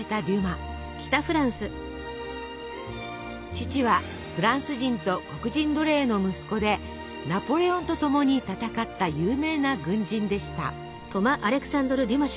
父はフランス人と黒人奴隷の息子でナポレオンとともに戦った有名な軍人でした。